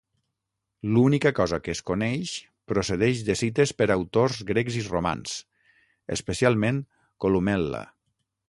L'única cosa que es coneix procedeix de cites per autors grecs i romans, especialment Columel·la.